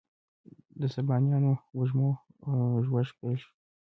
د سبانیو وږمو ږوږ پیل شو